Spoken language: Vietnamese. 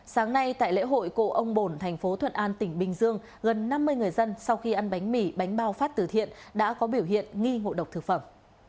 sáng nay tại lễ hội cộ ông bồn thành phố thuận an tỉnh bình dương gần năm mươi người dân sau khi ăn bánh mì bánh bao phát từ thiện đã có biểu hiện nghi ngộ độc thực phẩm